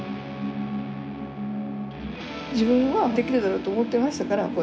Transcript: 自分はできるだろうと思ってましたから。